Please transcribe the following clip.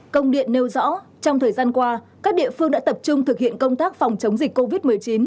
công điện nêu rõ trong thời gian qua các địa phương đã tập trung thực hiện công tác phòng chống dịch covid một mươi chín